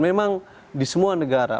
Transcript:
memang di semua negara